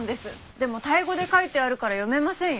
でもタイ語で書いてあるから読めませんよ。